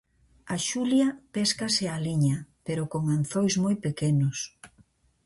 A xulia péscase á liña, pero con anzois moi pequenos.